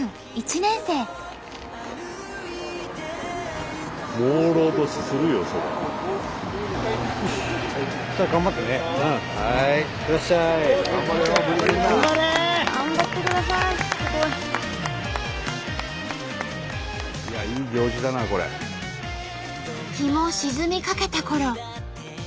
日も沈みかけたころ。